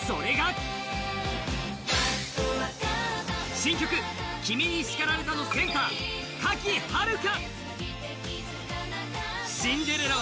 新曲「君に叱られた」のセンター、賀喜遥香。